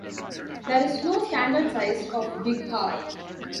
There is no "standard" size of bigha.